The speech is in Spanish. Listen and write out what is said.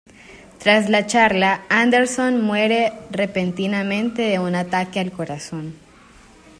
Tras la charla, Anderson muere repentinamente de un ataque al corazón.